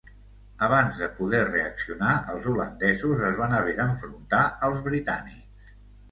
Abans de poder reaccionar, els holandesos es van haver d'enfrontar als britànics.